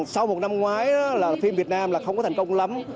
sau một năm ngoái phim việt nam không có thành công lắm